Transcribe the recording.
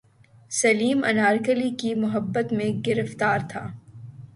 سلیم انارکلی کی محبت میں گرفتار تھا